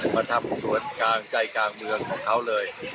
มาทำสวนกลางใจกลางเมืองของเขาเลย